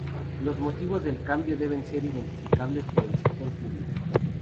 Los motivos del cambio deben ser identificables por el Sector Público.